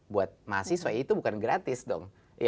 buat mahasiswa itu bukan gratis dong